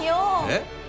えっ？